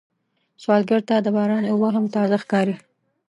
سوالګر ته د باران اوبه هم تازه ښکاري